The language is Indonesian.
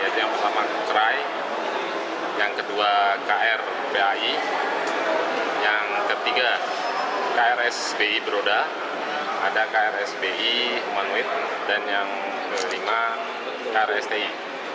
ada lima yang pertama kerai yang kedua krbai yang ketiga krsbi beroda ada krsbi human weight dan yang kelima krsti